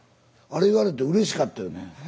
あれ言われてうれしかったよね。